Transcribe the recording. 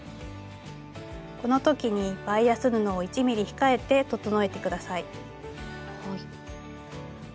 この時にバイアス布を１ｍｍ控えて整えて下さい。